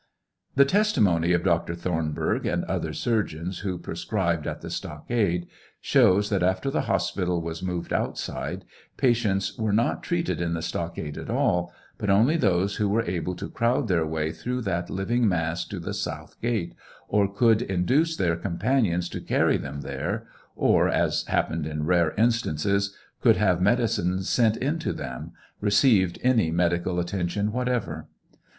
The testimony of Dr. Thornbnrgh and other surgeons who prescribed at the stockade shows that after the hospital was moved outside, patients were not treated in the stockade at all, but only those who were able to crowd their way through that living mass to the south gate, or could induce their companions to carry them there, or, as happened in rare instances, could have medicine sent in to them, received any medical attendance whatever.